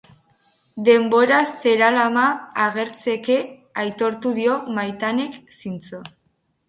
Denbora zeramala agertzeke aitortu dio Maitanek, zintzo.